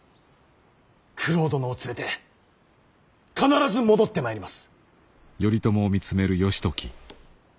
九郎殿を連れて必ず戻ってまいります。